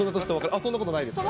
そんなことないですか？